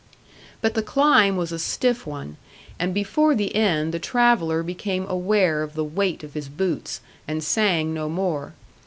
But the climb was a stiff one, and before the end the traveller became aware of the weight of his boots, and sang no more.